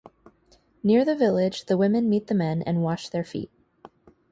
Near the village, the women meet the men and wash their feet.